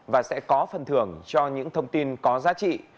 và sẽ có phần thưởng cho những thông tin có giá trị